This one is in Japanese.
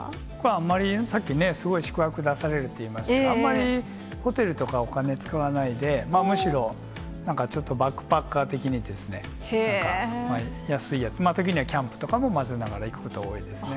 あまりね、さっきね、すごい宿泊出されるって言ってましたが、あんまりホテルとかお金使わないで、むしろ、なんかちょっとバックパッカー的にですね、なんか、安いやつ、時にはキャンプとかも混ぜながら行くことが多いですね。